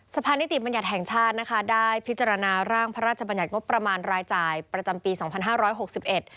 สภานิติบัญญัติแห่งชาตินะคะได้พิจารณาร่างพระราชบัญญัติงบประมาณรายจ่ายประจำปีสองพันห้าร้อยหกสิบเอ็ด